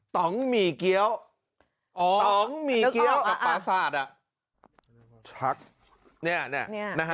ต้องหมี่เกี้ยวอ๋อตองหมี่เกี้ยวกับปราศาสตร์อ่ะชักเนี่ยนะฮะ